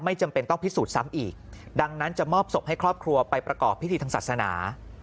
จำเป็นต้องพิสูจน์ซ้ำอีกดังนั้นจะมอบศพให้ครอบครัวไปประกอบพิธีทางศาสนา